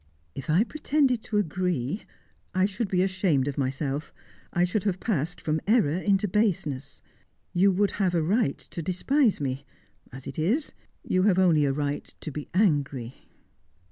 "If I pretended to agree, I should be ashamed of myself. I should have passed from error into baseness. You would have a right to despise me; as it is, you have only a right to be angry."